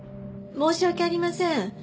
申し訳ありません。